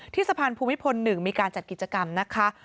สะพานภูมิพล๑มีการจัดกิจกรรมนะคะ